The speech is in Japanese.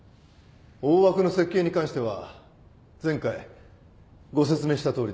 大枠の設計に関しては前回ご説明したとおりです。